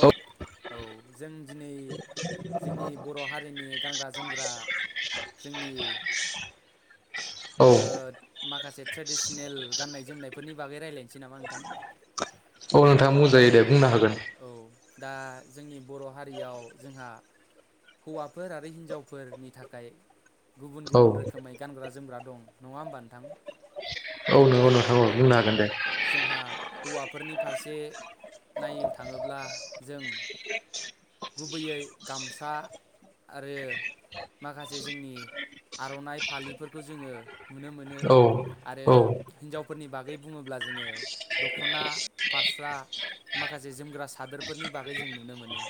औ औ जों दिनै जोंनि बर' हारिनि गानग्रा जोमग्रा जोंनि औ ओ माखासे ट्रेडिसनेल गाननाय जोमनायफोरनि बागै रायलायनोसै नामा नोंथां? औ नोंथां बुंजायो दे। बुंनो हागोन औ दा जोंनि बर' हारियाव जोंहा हौवाफोर आरो हिनजावफोरनि थाखाय गुबुन औ गुबुन रोखोमै गानग्रा जोमग्रा दं नङा होमबा नोंथां? औ नंगौ दा नोंथां औ बुंनो हागोन दे। जोंहा हौवाफोरनि फारसे नायोब थाङोब्ला जों गुबैयै गामसा आरो माखासे जोंनि आर'नाइ फालिफोरखौ जोङो नुनो मोनो औ आरो औ हिन्जावफ फोरनि बागै बुङोब्ला जोङो दख'ना फारस्रा माखासे जोमग्रा सादोरफोरनि बागै जों नुनो मोनो।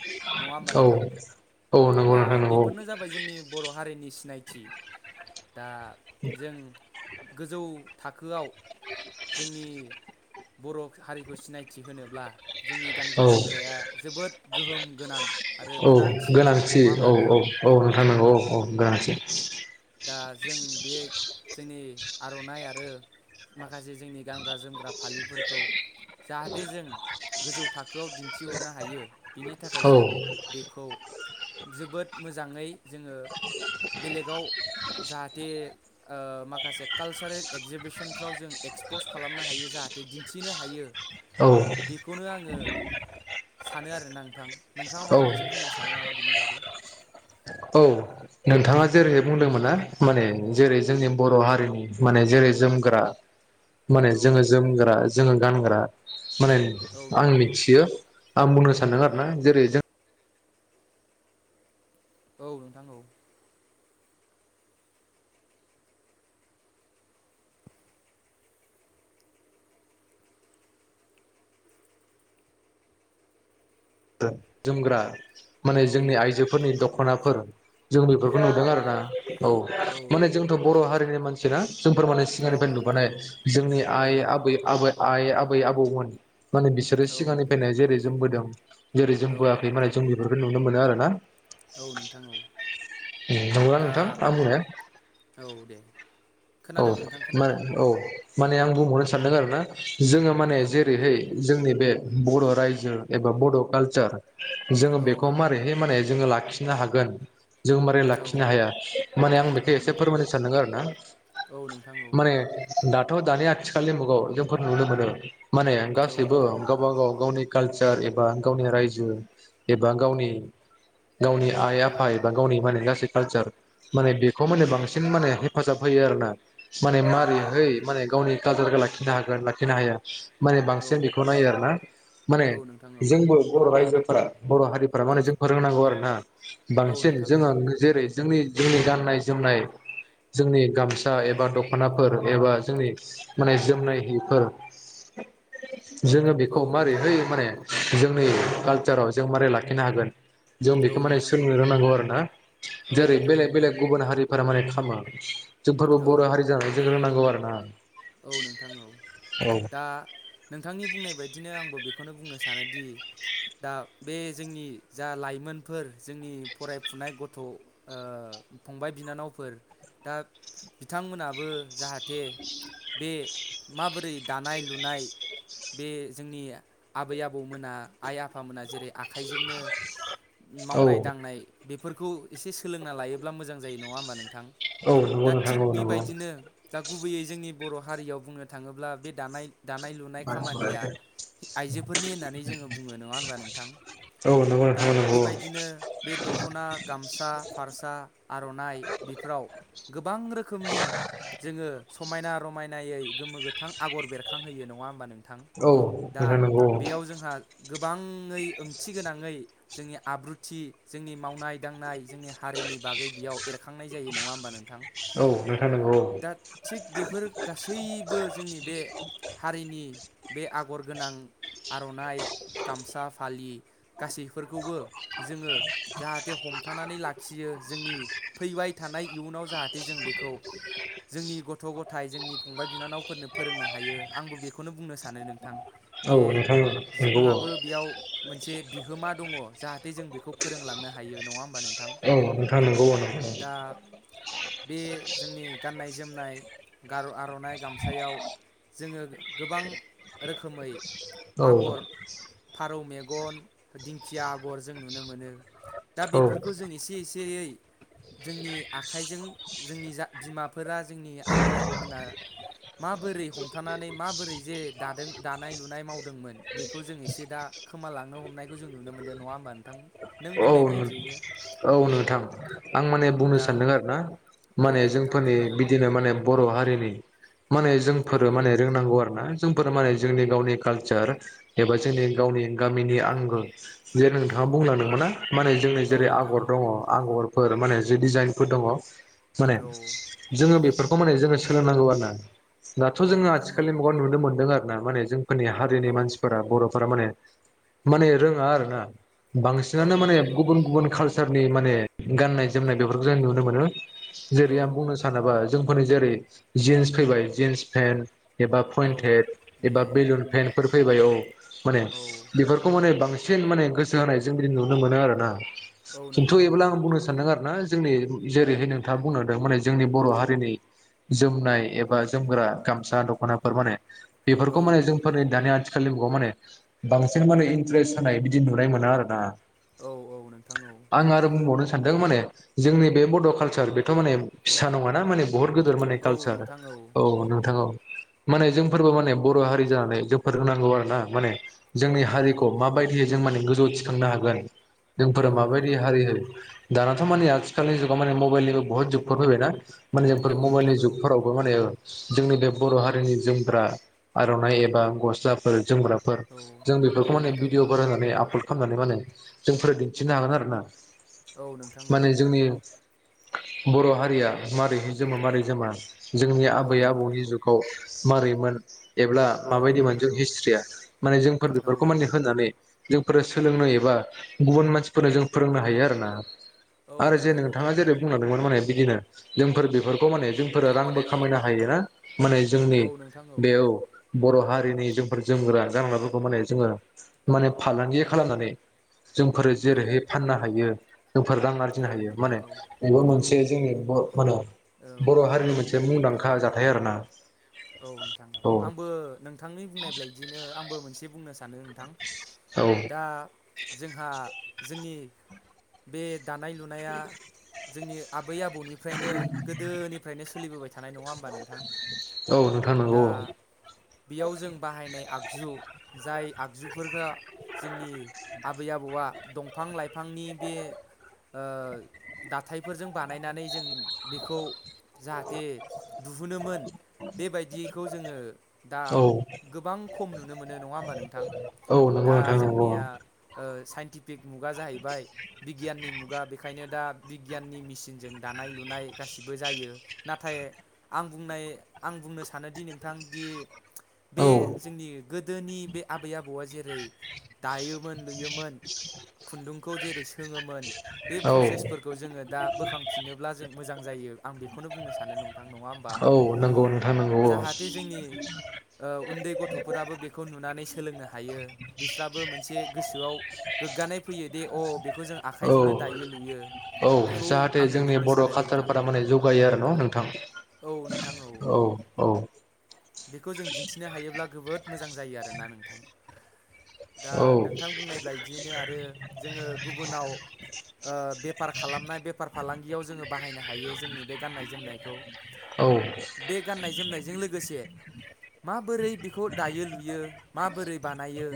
नङा होमबा औ नोंथां? औ नंगौ दा नोंथां नंगौ बेफोरनो जाबाय जोंनि बर' हारिनि सिनायथि दा जों गोजौ थाखोआव जोंनि बर' हारिखौ सिनायथि होनोब्ला जोंनि औ गानग्रा जोमग्राया जोबोद गोहोम गोनां। आरो औ गोनां गोनांथि औ औ औ नोंथां नंगौ औ औ गोनांथि दा जों बे जोंनि आर'नाइ आरो माखासे जोंनि गानग्रा जोमग्रा फालिफोरखौ जाहाथे जों गोजौ थाखोआव दिन्थिहरनो हायो बिनि थाखाय औ जों बेख खौ जोबोद मोजाङै जोङो बेलेगाव जाहाथे ओ माखासे कालसारेल एक्जिबिसनफ्राव जों एक्सपस खालामनो हायो जाहाथे दिन्थिनो हायो औ बेखौनो आङो सानो आरो ना नोंथां नोंथाङा औ माबा मोनसे बुंनो सानो नामा बिनि बागै? औ नोंथाङा जेरै बुंदोंमोन ना माने जेरै जोंनि बर' हारिनि माने जेरै जोमग्रा माने औ जोङो जोमग्रा जोङो गानग्रा माने औ आं नोंथां औ मिथियो आं बुंनो सानदों औ आरो ना जेरै जों औ नोंथां औ जुमग्रा माने औ जोंनि नोंथां औ आइजोफोरनि दख'नाफोर जों औ बेफोरखौ नुदों नोंथां आरो औ ना औ माने जोंथ' बर' हारिनि मानसि [unintelligible] जों फोरमाने औ सिगांनिफ्राय नोंथां नुबोनाय औ जोंनि औ आइ आबै आबै आइ आब बै आबौमोन माने बिसोरो औ सिगांनिफायनो जेरै जोमबोदों [inaudible] जेरै औ जोंबोआखै माने नोंथां जों औ बेफोरखौ नुनो मोनो आरोना। औ नोंथां औ उम नंगौना दा नोंथां आं बुंनाया? औ दे औ खोनादों नोंथां मा खोनादों औ। माने आं बुंहरनो सानदों आरो ना। जोङो माने औ जेरैहाय जोंनि बे बर' रायजो एबा बर' कालचार जोङो औ बेखौ मारैहाय माने जोङो लाख फिननो हागोन जों मारै औ लाखिनो हाया माने आं औ बेखौ एसे नोंथां औ फोरमायनो सानदों आरो ना। औ नोंथां औ। माने दाथ' दानि आथिखालनि मुगाव जोंफोर नुनो मोनो माने औ गासैबो नोंथां औ गावबा गाव गावनि कालचार एबा गावनि रायजो एबा गावनि गावनि आइ आफा एबा गावनि माने गासै कालचार माने बेखौ माने औ बांसिन माने हाजाब होयो आरो ना। माने औ नोंथां औ नोंथां औ मारिहै माने गावनि कालारखौ लाखिनो हागोन लाखिनो हाया। माने बांसिन बेखौ नायो आर ना। माने औ नोंथां औ जोंबो बर' रायजो फोरा बर' हारिफ्रा माने जों फोरोंनांगौ आरो ना। औ बांसिन नोंथां जोङो जेरै जोंनि जोंनि गाननाय जोमनाय जोंनि गामसा एबा दख'नाफोर एबा जोंनि माने जोमनाय हिफोर जोङो बेखौ औ मारैहाय नोंथां माने जोंनि कालचाराव जों मारै लाखिनो हागोन? जों औ बेखो माने नोंथां औ सोलोंनो रोंनांगौ आरो ना। औ जेरै बेलेग बेलेग गुबुन हारिफोरा माने [unintelligible] जोंफोरबो बर' हारि जानानै जों रोंनांगौ आरो। ना? औ नोंथां औ दा नोंथांनि बुंनाय बायदिनो आंबो बेख खौनो बुंनो सानोदि दा बे जोंनि जा लाइमोनफोर जोंनि फरायफुनाय गथ' ओ फंबाय बिनानावफोर दा बिथांमोनाबो जाहाथे बे माबोरै दानाय लुनाय बे जोंनि आबै आबौमोना आइ आफामोना जेरै आखाइजोंनो औ मावनाय दांनाय बे फोरखौ एसे सोलोंना लायोब्ला मोजां जायो नङा होमबा नों? औ नंगौ नोंथां औ नंगौ। दा गुबैयै जोंनि बर' हारियाव बुंनो थाङोब्ला बे दानाय दानाय लुनाय औ खामानिया आइजोफोरनि होननानै जोङो बुङो नङा होनबा नोंथां? नंगौ दा नोंथां नंगौ बेबायदिनो बे दख'ना गामसा फारसा आर'नाइ बेफोराव गोबां रोखोमनि जोङो समायना रमायनायै गोमो गोथां आगर बेरखांहोयो नङा होमबा नों औ नोंथां नंगौ औ गोबाङै ओंथि गोनां यै जोंनि आब्रुथि जोंनि मावनाय दांनाय जोंनि हारिनि बागै बेयाव एरखांनाय जायो नङा होमबा नोंथां नोंथां नंगौ औ नोंथां नंगौ दा थिग बेफोर गासैबो जोंनि बे हारिनि बे आगर गोनां आर'नाइ, गामसा, फालि गासैफोरखौबो जोङो जाहाथे हमथानानै लाखियो जोंनि फैबाय थानाय इयुनाव जाहाथे जों बेखौ जोंनि गथ' गथाय जोंनि फंबाय बिनानावफोरनो फोरोंनो हायो आंबो बेखौनो बुंनो सानो नोंथां। औ जे नोंथां ओ नंगौ ओ जोंहाबो बेयाव मोनसे बिहोमा दङ' जाहाथे जों बेखौ फोरोंलांनो हायो नङा होमबा नों औ नोंथां नंगौ ओ नंगौ। बे जोंनि गाननाय जोमनाय गार' आर' नाय गामसायाव जोङो गोबां रोखोमै औ आगर फारौ मेग गन दिंखिया आगर जों नुनो मोनो। दा औ बेफोरखौ जों एसे एसेयै जोंनि आखाइजों। जोंनि जा बिमा फोरा जोंनि आबै आबौमोना माबोरै हमथानानै माबोरै जे दादों दानाय लुनाय मावदोंमोन बेखौ जों एसे दा खोमालां नो हमनाय खौ जों नुनो मोनदों नङा होमबा नोंथां। नों औ बुंनाय बायदियैनो औ नोंथां आं माने बुंनो दा सानदों आरोना औ माने दे नोंथां जोंफोरनि बुंनो हागोन बिदिनो माने बर' हा रिनि माने औ जोंफोरो माने रोंनांगौ आरोना। जोंफोर माने जोंनि गावनि कालचार एबा जोंनि गावनि गामिनि आंगो जे नोंथाङा बुंलानो नंगौना? माने जोंनि औ जेरै नोंथां आगर औ दङ' आगर। फोर माने जि डिजाइनफोर दङ माने औ जोङो बेफोर खौ माने जोङो सोलोंनांगौ आरोना। दाथ' जोङो नोंथां औ आथिखालनि मुगायाव नुनो मोनदों आरो ना माने जों। नि हारिनि औ मानसिफोरा बर'फोरा माने माने रोङा आरोना बां [unintelligible] औ नानो माने नोंथां औ गुबुन गुबुन कालचार नि माने गाननाय जोमनाय बेफोरखौ जों नुनो मोनो। औ जेरै आं बुंनो सानोबा जोंफोरनि जेरै जिन्स फैबाय जिन्स पेन्ट। एबा औ पइन्टेड बे एबा बेलुन उम पेेनफोर फैबाय औ माने औ बेफोरखौ माने बांसिन [unintelligible] माने गोसो होनाय जों दि नुनो मोनो आरोना औ खिन्थु नोंथां औ एबोब्ला आं बुंनो सानदों आरो ना जोंनि जेरैहाय नोंथाङा बुंनो होदों माने जोंनि बर' हारिनि जोमनाय एबा जोमग्रा गामसा दख'नाफोर माने औ बेफोरखौ माने जोंफोर दानि आथि खालनि‌ मुगाव माने बांसिन माने इन्ट्रेस्ट होनाय बिदि नुनाय मोनो आरो ना औ औ नोंथां औ आं आरो बुंबावनो सानदों माने जोंनि बे बड' कालसार बेथ' माने फिसा नङाना माने। बुहुत गोदोर माने औ कालचार नोंथां औ नोंथां औ। माने जोंफोरबो माने बर' हारि जानानै जों फोरोंनांगौ आरो ना माने। औ जोंनि नोंथां हारिखौ औ माबायदियै जों माने गो जौ थिखांनो हागोन [unintelligible] जोंफोरा औ माबायदि नोंथां औ हारिहै दानाथ' माने आथिखालनि जुगाव माने मबेइलनि बुहुत जुगफोर फैबायना? माने जोंफोर औ नोंथां मबेइलनि औ जुगफोरावबो माने जोंनो बे बर' हारिनि जोमग्रा आर'नाइ एबा गस्लाफोर जोमग्रा फोर औ जों बेफोरखौ औ माने नोंथां औ भिडिअ बायनानै आप खामनानै माने जोंफोर दिन्थिनो हागोन आरो ना औ नोंथां औ नोंथां माने औ जोंनि बर' हारिया मारै जोंमो मारै जोमा जोंनि औ आबै नोंथां औ आबौनि जुगाव मारैमोन एब्ला औ माबायदि मोन जों नोंथां हिस्ट्रिया माने जोंफोर औ बेफोरखौ माने होनानै जोंफोर सोलोंनो एबा गुबुन मानसिफोरनो जों फोरोंनो हायो आरो ना आरो जे नोंथाङा जेरै बुंलांदोंमोन माने बिदिनो जोंफोर बेफोर खौ माने जोंफोरो रांबो खामायनो हायो ना? माने जोंनि औ नोंथां औ बेयाव बर' हारिनि जोंफोर जोमग्रा गानग्राफोरखौ माने जोङो माने फालांगि खालामनानै जोंफोरो जेरैहाय फाननो हायो जोंफोर रां आरजिनो हायो माने बेबो मोनसे जोंनि मा होनो औ नोंथां औ बेबो बर' हारिनि मोनसे औ नोंथां मुंदांखा औ जाथाय आरो ना औ नोंथां आंबो नोंथांनि बुंनाय बायदिनो आंबो मोनसे बुंनो सानो सानो नोंथां। औ दा जोंहा जोंनि बे दानाय लुनाया जोंनि आबै-आबौमोननिफ्रायनो गोदोनिफ्रायनो सोलिबोबाय थायो थानाय नङा होमबा नोंथां? औ नोंथां दा नंगौ बेयाव जों बाहायनाय आगजु आगजु जाय आगजुफोरखौ जोंनि आबै आबौआ दंफां लाइफांनि बे ओ दाथायफोरजों बानायनानै जों बेखौ जाहाथे दिहुनोमोन बेबायदिखौ जोङो दा औ गोबां खम नुनो मोनो नङा होमबा नोंथां औ नंगौ दा नोंथां नंगौ जोंनिया ओ साइन्टि बेग मुगा जाहैबाय बिगियाननि मुगा बेखायनो दा बिगियाननि मेसिनजों दानाय लुनाय गासिबो जायो नाथाय आं बुंनाय आं बुंनो सानोदि नोंथांदि औ बे जोंनि गोदोनि बे आबै आबौआ जेरै दायो मोन लुयोमोन खुन्दुंखौ जेरै सोङोमोन बे औ प्रसेसफोरखौ जोङो दा बोखांफिनोब्ला जों मोजां जायो आं बेखौनो बुंनो सानो नं आं नङा होमबा जाहाथे जोंनि थानांगौ‌। उन्दै गथफोराबो बेखौ नुनानै सोलोंनो हायो, बिस्राबो मोनसे गोसोआव गोग्गानाय फैयो दि अ बेखौ जों औ आखाइजोंनो दायो लुयो औ बेखौ जाहाथे आङो जोंनि बुंनो बर सानो नोंथां कालसारफोरा माने जौगायो आरो न नोंथां औ। औ। बेखौ जों दिन्थिनो हायोब्ला गोबोद मोजां जायो आरोना नोंथां। दा औ नोंथां बुंनाय बायदियैनो आरो जोङो। गुबुनाव ओ बेफार खालामनाय बेफार फालांगियाव जोङो बाहायनो हायो, जोंनि बे गाननाय जोमनायखौ औ। बे गाननाय जोमनायजों लोगोसे माबोरै बेखौ दायो लुयो? माबोरै बानायो?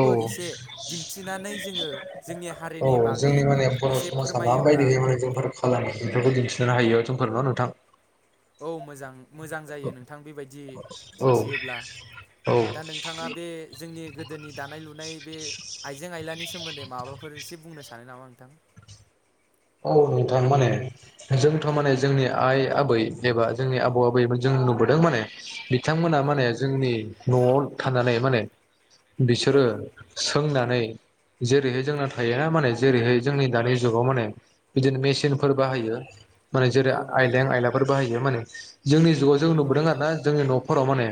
औ एसे दिन्थिनानै जोङो जोंनि हारिनि औ बागै जोंनि माने बर एसे समाजा फोरमायोब्ला माबायदि माने जोंफोर फालांगि बेफोरखौ दिन्थिनो हायो ज फोरबा नुथां औ मोजां मोजां जायो नोंथां बेबायदि। औ दिन्थियोब्ला औ दा नोंथाङा बे जोंनि गोदोनि दानाय, लुनाय बे आइजें आइलानि सोमोन्दै माबाफोर एसे बुंनो सानो नामा नोंथां? औ नोंथां माने जोंथ माने जोंनि आइ आबै एबा जोंनि आबौ आबैमोन जों नुबोदों माने। बिथांमोनहा औ माने जोंनि नआव थानानै माने। औ बिसोरो सोंनानै जेरैहाय जोंना थाया माने जेरैहाय जोंनि दानि जुगाव माने। बेदिनो मेसि न फोर औ बाहायो माने जेरै औ नोंथां औ आइलें आयलाफोर बाहायो माने। जोंनि जुगाव जों औ नुबोदों आरोना जोंनि न हराव माने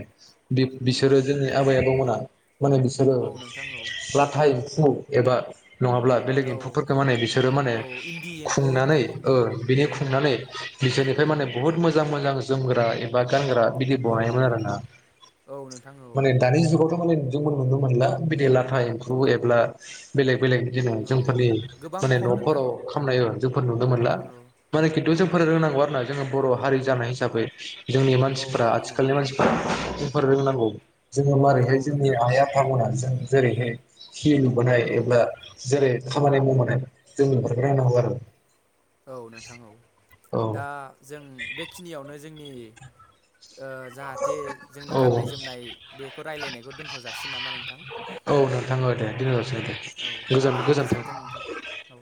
बि-बिसोरो औ जोंनि आबै आबौमोनहा माने बिसोरो औ नोंथां औ लाथा एम्फ औ एबा नङाब्ला बेलेग औ एम्फौफोरखौ माने बिसोरो माने औ इन्दि एम्फौ खुंनानै नोंथां ओ इन्दि बिनि औ खुंनानै बिसोरनिफ्राय माने बुहुत मोजां मोजां जोमग्रा एबा गानग्रा बिदि औ बनायोमोन आरो ना औ नोंथां औ माने दानि जुगाव बे मालाय नोंबो नुनो मोनला बिदि लाथा एम्फु एब्ला बेलेग बेलेग बिदिन औ जोंफोरनि गोबां माने खम नोंथां नफोराव औ खामनाय ओ जोंफोर नुनो मोनला। औ माने खिन्थु औ जोंफोर रोंनांगौ आरो ना जोङो [unintelligible] जोंनि औ मानसिफ्रा नोंथां औ आथिखालनि मानसिफ्रा फोर रोंनांगौ। जोङो औ माबोरैहाय जोंनि नोंथां औ आइ आफामोनहा जोंनि जेरैहाय सि नुबोनाय औ एबा जेरै खामानि मावफानाय जों नाजादों, ए नंगौ आरो। औ नोंथां औ औ दा जों बेखिनियावनो जोंनि ओ जाहाथे जोंनि औ गाननाय जोमनाय बेखौ राय्लायनायखौ दोन्थ जासिगोन नामा नोंथां? औ नोंथां [unintelligible] औ [unintelligible] गोजोन दे गोजोनथों। गोजोन्थों नोंथां औ